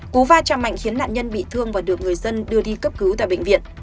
cú va chạm mạnh khiến nạn nhân bị thương và được người dân đưa đi cấp cứu tại bệnh viện